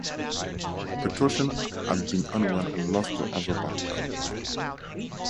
Petrosian had been unwell and lost to Averbakh.